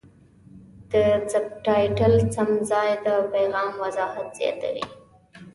د سبټایټل سم ځای د پیغام وضاحت زیاتوي.